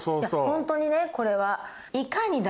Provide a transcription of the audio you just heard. ホントにねこれは。